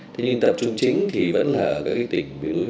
thế nhưng tập trung chính thì vẫn là ở cái tỉnh